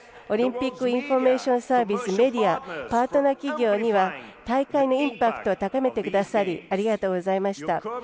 オリンピックインフォメーションサービスメディア、パートナー企業は大会のインパクトを高めてくださりありがとうございました。